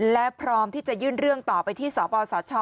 และพร้อมที่จะยื่นเรื่องต่อไปที่สปสช